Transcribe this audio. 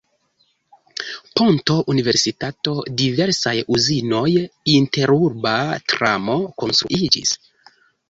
Ponto, universitato, diversaj uzinoj, interurba tramo konstruiĝis.